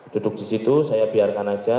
duduk disitu saya biarkan aja